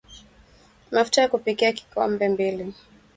Mafuta ya kupikia vikombe mbili